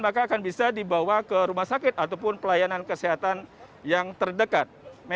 maka akan bisa dibawa ke rumah sakit ataupun pelayanan kesehatan yang terdekat